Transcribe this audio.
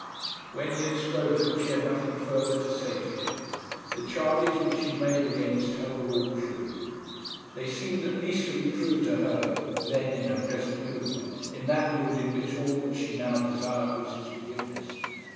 When he had spoken she had nothing farther to say to him. The charges which he made against her were all true. They seemed at least to be true to her then in her present mood, in that mood in which all that she now desired was his forgiveness.